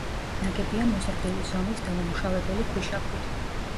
ნაგებია მოზრდილი ზომის, დაუმუშავებელი ქვიშაქვით.